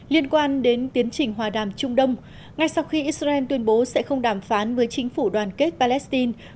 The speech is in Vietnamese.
liên quan đến tiến trình hòa đàm trung đông ngay sau khi israel tuyên bố sẽ không đàm phán với chính phủ đoàn kết palestine